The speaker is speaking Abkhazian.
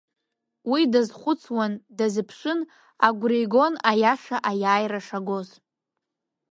Уи дазхәыцуан, дазыԥшын, агәра игон аиаша аиааира шагоз.